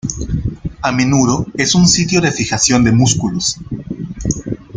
A menudo es un sitio de fijación de músculos.